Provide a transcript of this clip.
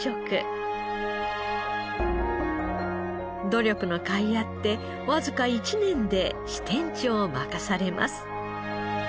努力のかいあってわずか１年で支店長を任されます。